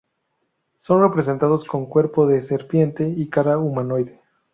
Son representados con cuerpo de serpiente y cara humanoide.